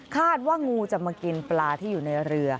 งูจะมากินปลาที่อยู่ในเรือ